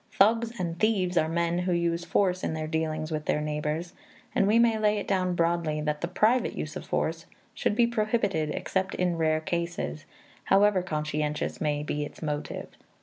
Thugs and thieves are men who use force in their dealings with their neighbors, and we may lay it down broadly that the private use of force should be prohibited except in rare cases, however conscientious may be its motive.